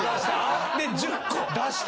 で１０個。出した？